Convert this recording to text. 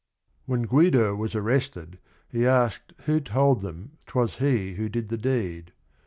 " When Guido was arrested, he asked who told them 't was he who did the deed.